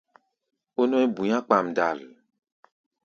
Ó nɔ̧́í̧ bu̧i̧á̧ kpamdal.